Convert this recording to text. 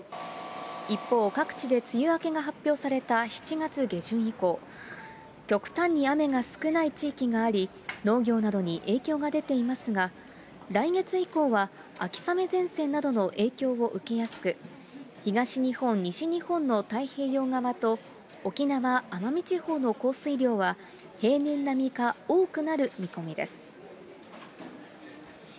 一方、各地で梅雨明けが発表された７月下旬以降、極端に雨が少ない地域があり、農業などに影響が出ていますが、来月以降は秋雨前線などの影響を受けやすく、東日本、西日本の太平洋側と沖縄・奄美地方の降水量は平年並みか多くなる見込みです。